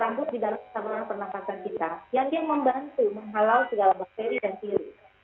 rambut rambut di dalam pernafasan kita yang membantu menghalau segala bakteri dan cili